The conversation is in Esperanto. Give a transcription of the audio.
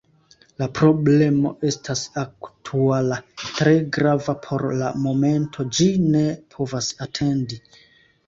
La problemo estas aktuala, tre grava por la momento, ĝi ne povas atendi.